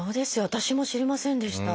私も知りませんでした。